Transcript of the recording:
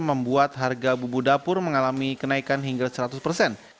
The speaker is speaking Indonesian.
membuat harga bubu dapur mengalami kenaikan hingga seratus persen